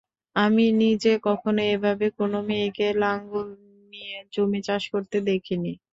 আমি নিজে কখনো এভাবে কোনো মেয়েকে লাঙল নিয়ে জমি চাষ করতে দেখিনি।